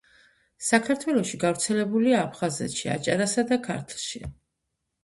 საქართველოში გავრცელებულია აფხაზეთში, აჭარასა და ქართლში.